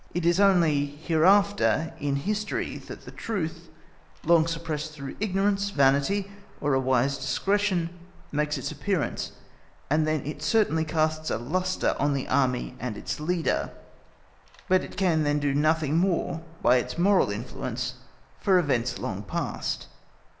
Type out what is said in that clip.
It is only hereafter in history that the truth, long suppressed through ignorance, vanity, or a wise discretion, makes its appearance, and then it certainly casts a lustre on the Army and its Leader, but it can then do nothing more by its moral influence for events long past.